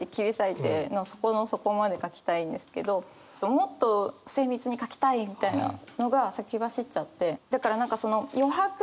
もっと精密に書きたいみたいなのが先走っちゃって。